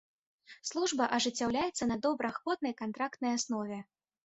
Служба ажыццяўляецца на добраахвотнай кантрактнай аснове.